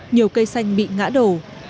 cây xanh bị ngã đổ